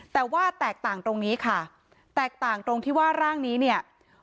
แต่ว่าแตกต่างตรงนี้ค่ะแตกต่างตรงที่ว่าร่างนี้เนี่ย